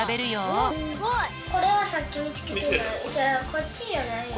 こっちじゃないよ。